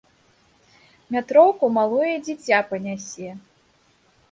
Метроўку малое дзіця панясе!